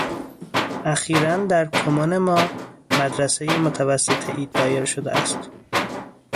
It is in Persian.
اخیراً در کمون ما مدرسهٔ متوسطه ای دایر شده است.